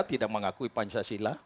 tidak mengakui pancasila